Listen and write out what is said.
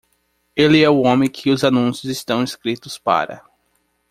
Ele é o homem que os anúncios são escritos para.